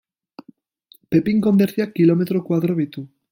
Pepin konderriak kilometro koadro ditu.